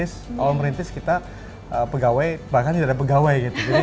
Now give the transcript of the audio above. di awal merintis kita pegawai bahkan tidak ada pegawai